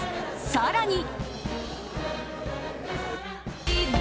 更に。